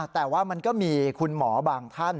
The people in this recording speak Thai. แต่ว่ามันก็มีคุณหมอบางท่าน